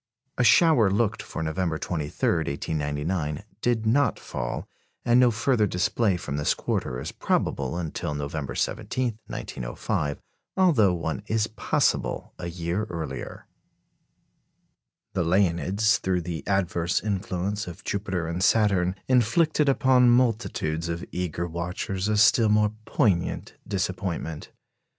A shower looked for November 23, 1899, did not fall, and no further display from this quarter is probable until November 17, 1905, although one is possible a year earlier. The Leonids, through the adverse influence of Jupiter and Saturn, inflicted upon multitudes of eager watchers a still more poignant disappointment.